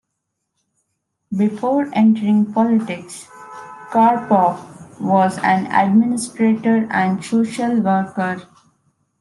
Before entering politics, Karpoff was an administrator and social worker.